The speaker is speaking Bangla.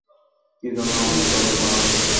কি জন্যে আমাকে তলব করা হয়েছে বলুন।